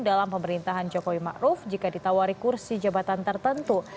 dalam pemerintahan jokowi ma'ruf jika ditawari kursi jabatan tertentu